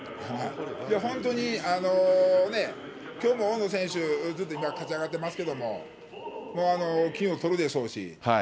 本当にね、きょうも大野選手、ずっと勝ち上がってますけども、金をとるでしょうし。